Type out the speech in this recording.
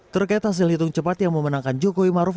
terkait hasil hitung cepat yang memenangkan jokowi maruf